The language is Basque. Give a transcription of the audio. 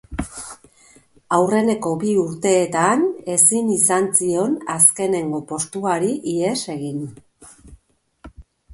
Aurreneko bi urteetan ezin izan zion azkenengo postuari ihes egin.